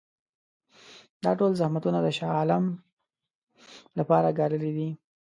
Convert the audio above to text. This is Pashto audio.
دا ټول زحمتونه د شاه عالم لپاره ګاللي دي.